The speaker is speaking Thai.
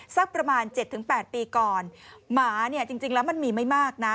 สักประมาณ๗๘ปีก่อนหมาจริงแล้วมันมีไม่มากนะ